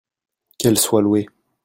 qu'elle soit louée.